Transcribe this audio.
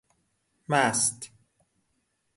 مست